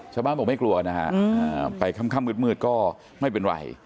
ชาวบ้านผมไม่กลัวนะฮะไปค่ำค่ำมืดมืดก็ไม่เป็นไร